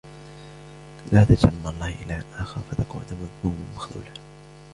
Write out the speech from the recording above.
لا تجعل مع الله إلها آخر فتقعد مذموما مخذولا